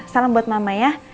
salam buat mama ya